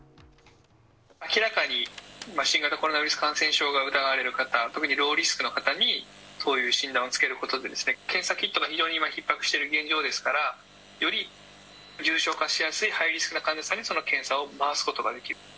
明らかに新型コロナウイルス感染症が疑われる方、特にローリスクの方に、そういう診断をつけることで、検査キットが非常に今、ひっ迫している現状ですから、より重症化しやすいハイリスクな患者さんに、その検査を回すことができる。